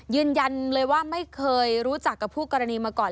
ยืนยันเลยว่าไม่เคยรู้จักกับผู้กรณีมาก่อน